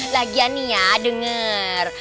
lagian nih ya denger